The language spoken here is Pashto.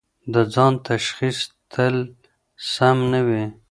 د ځان تشخیص تل سم نه وي.